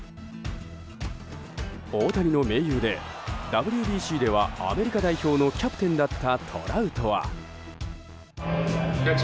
大谷の盟友でＷＢＣではアメリカ代表のキャプテンだったトラウトは。